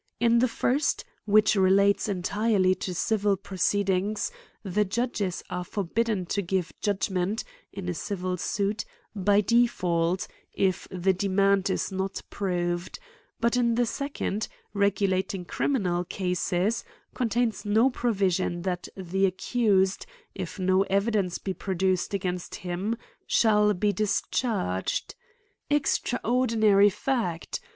In the first, which relates entirety to civil proceedings, the judges are forbidden to give judgment, in a civil suit, by default, if the demand is not proved; but in the second, regulating criminal cases, contains no provision that the accused, if no evidence be pro duced against him, shall be discharged. Ex CRIMES AND PUNISHMENTS. 233 traordinary fact